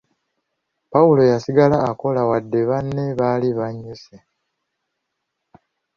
Pawulo yasigala akola wadde banne baali banyuse.